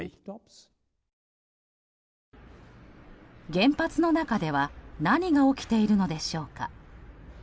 原発の中では何が起きているのでしょうか。